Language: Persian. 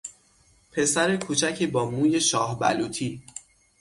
پسر کوچکی با موی شاه بلوطی